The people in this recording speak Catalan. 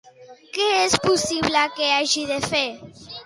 Què es possible que hagi de fer?